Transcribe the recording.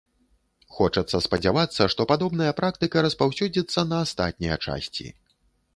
Хочацца спадзявацца, што падобная практыка распаўсюдзіцца на астатнія часці.